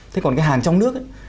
thế còn cái hàng trong nước ấy